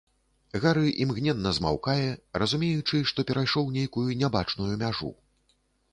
Гары імгненна змаўкае, разумеючы, што перайшоў нейкую нябачную мяжу.